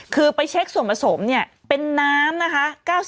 คือไปเช็คส่วนผสมเป็นน้ำ๙๘๘